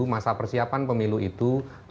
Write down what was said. masa persiapan pemilu itu